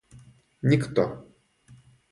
никто